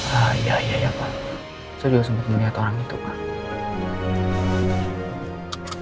iya iya iya pak saya juga sempat melihat orang itu pak